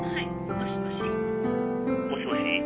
☎もしもし？